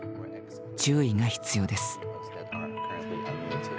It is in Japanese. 注意が必要です。